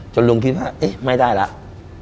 ลุงคิดว่าเอ๊ะไม่ได้แล้ว